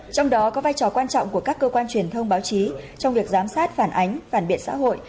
trong đó có vai trò quan trọng của các cơ quan truyền thông báo chí trong việc giám sát phản ánh phản biện xã hội